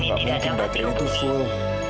gak mungkin baterainya tuh full